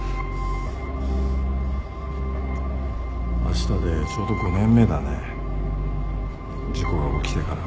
あしたでちょうど５年目だね事故が起きてから。